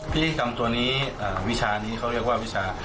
พิธีกรรมตัวนี้วิชานี้เขาเรียกว่าวิชา